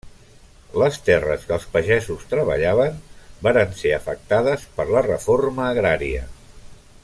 Les terres que els pagesos treballaven, varen ser afectades per la reforma agrària.